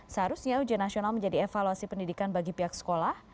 seharusnya ujian nasional menjadi evaluasi pendidikan bagi pihak sekolah